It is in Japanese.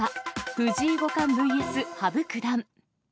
藤井五冠ＶＳ羽生九段。